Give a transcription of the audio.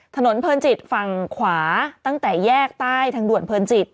ถนนเพลินจิตฝั่งขวาตั้งแต่แยกใต้ทางด่วนเพลินจิต